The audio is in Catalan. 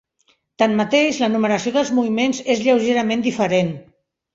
Tanmateix, la numeració dels moviments és lleugerament diferent.